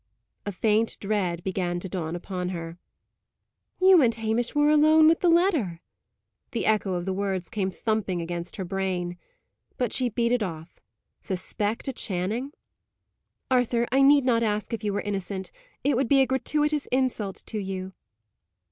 A faint dread began to dawn upon her. "You and Hamish were alone with the letter!" the echo of the words came thumping against her brain. But she beat it off. Suspect a Channing! "Arthur, I need not ask if you are innocent; it would be a gratuitous insult to you."